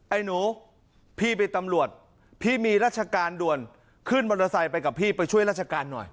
ไอหนูพี่ไปตำรวจพี่มีรัชการด่วนขึ้นบริษัทไปกับพี่ไปช่วยรัชการหน่อย